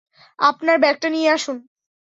আপনার ব্যাগটা নিয়ে আসুন।